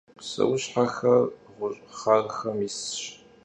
Pseuşhexer ğuş'xharxem yisş.